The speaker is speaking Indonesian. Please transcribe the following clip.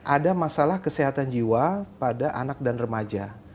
ada masalah kesehatan jiwa pada anak dan remaja